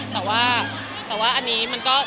แต่ว่าอันนี้มันก็